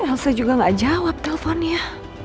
elsa juga gak jawab telponnya